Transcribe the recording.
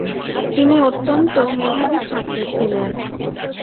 তিনি অত্যন্ত মেধাবী ছাত্র ছিলেন।